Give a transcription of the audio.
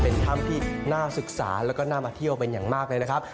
เป็นถ้ำที่น่าศึกษาแล้วก็น่ามาเที่ยวเป็นอย่างมากเลยนะครับ